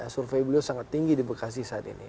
survei beliau sangat tinggi di bekasi saat ini